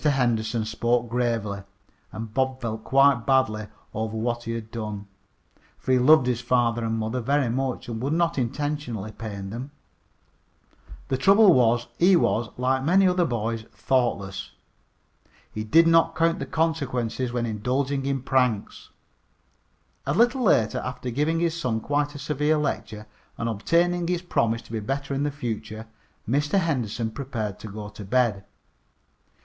Henderson spoke gravely, and Bob felt quite badly over what he had done, for he loved his father and mother very much, and would not intentionally pain them. The trouble was he was, like many other boys, thoughtless. He did not count the consequences when indulging in pranks. A little later, after giving his son quite a severe lecture, and obtaining his promise to be better in the future, Mr. Henderson prepared to go to bed.